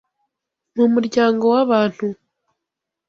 mu muryango w’abantu.